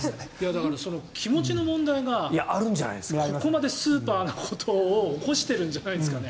その気持ちの問題がここまでスーパーなことを起こしてるんじゃないですかね。